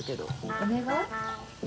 お願い？